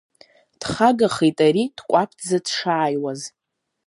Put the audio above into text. Дхагахеит ари, дкәаԥӡа дшааиуаз.